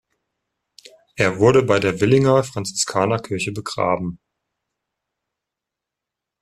Er wurde bei der Villinger Franziskanerkirche begraben.